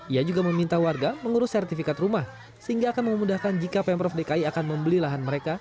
ia juga meminta warga mengurus sertifikat rumah sehingga akan memudahkan jika pemprov dki akan membeli lahan mereka